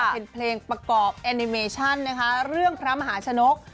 เป็นเพลงประกอบแอนิเมชั่นนะคะเรื่องพระมหาชนก